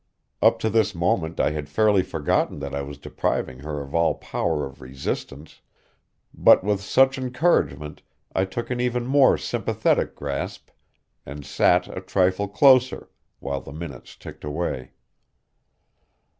Up to this moment I had fairly forgotten that I was depriving her of all power of resistance, but with such encouragement I took an even more sympathetic grasp and sat a trifle closer, while the minutes ticked away.